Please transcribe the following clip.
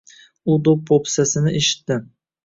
U do‘q-po‘pisasini eshitdi.